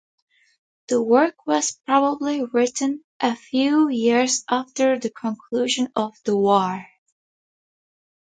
The work was probably written a few years after the conclusion of the war.